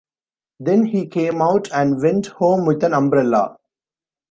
Then he came out, and went home with an umbrella.